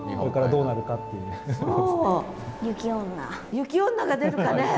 雪女が出るかね？